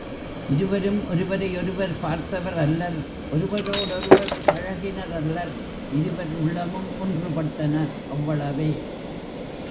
இருவரும் ஒருவரையொருவர் பார்த்தவர் அல்லர் ஒருவரோ டொருவர் பழகினாரல்லர் இருவர் உள்ளமும் ஒன்றுபட்டன அவ்வளவே.